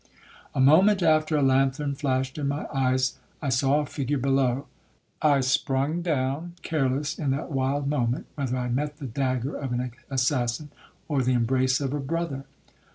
A moment after a lanthorn flashed in my eyes,—I saw a figure below. I sprung down, careless, in that wild moment, whether I met the dagger of an assassin, or the embrace of a brother.